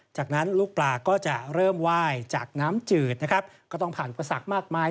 จากนั้นลูกปลาก็จะเริ่มไหว้จากน้ำจืดนะครับก็ต้องผ่านอุปสรรคมากมาย